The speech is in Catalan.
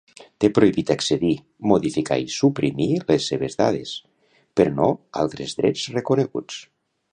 Té prohibit accedir, modificar i suprimir les seves dades, però no altres drets reconeguts.